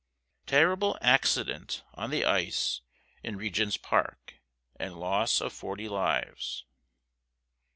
TERRIBLE ACCIDENT ON THE ICE IN REGENT'S PARK, AND LOSS OF FORTY LIVES.